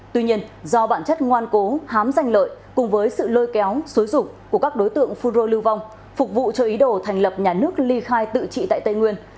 tuy nhiên do bản chất ngoan cố hám danh lợi cùng với sự lôi kéo xúi rục của các đối tượng phun rô lưu vong phục vụ cho ý đồ thành lập nhà nước ly khai tự trị tại tây nguyên